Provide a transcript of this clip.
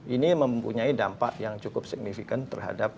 ini mempunyai dampak yang cukup signifikan terhadap